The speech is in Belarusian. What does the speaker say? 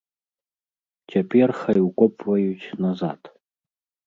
Цяпер хай укопваюць назад!